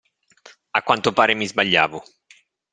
A quanto pare, mi sbagliavo.